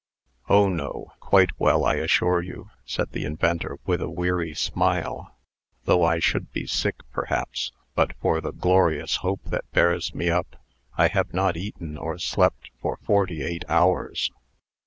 "Oh, no! Quite well, I assure you," said the inventor, with a weary smile. "Though I should be sick, perhaps, but for the glorious hope that bears me up. I have not eaten, or slept, for forty eight hours."